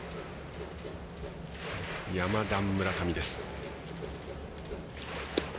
山田、村上です。